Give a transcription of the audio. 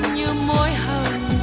như môi hồng